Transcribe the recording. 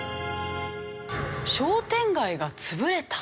商店街が潰れた？